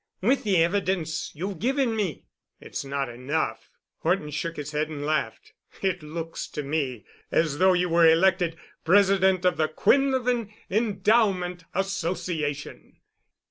"With the evidence you've given me." "It's not enough." Horton shook his head and laughed. "It looks to me as though you were elected President of the Quinlevin Endowment Association."